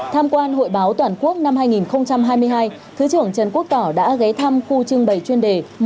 tham quan hội báo toàn quốc năm hai nghìn hai mươi hai thứ trưởng trần quốc tỏ đã ghé thăm khu trưng bày chuyên đề